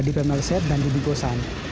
di bmlz dan di bgosan